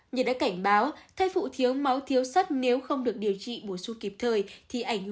nhật đã cảnh báo thai phụ thiếu máu thiếu sắt nếu không được điều chỉnh